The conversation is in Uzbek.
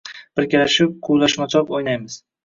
– Birgalashib quvlashmachoq o‘ynaymiz